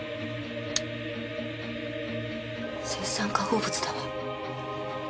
青酸化合物だわ。